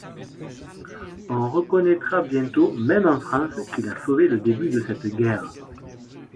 On reconnaîtra bientôt, même en France, qu'il a sauvé le début de cette guerre.